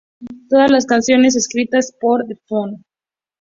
Todas las canciones escritas por Deftones.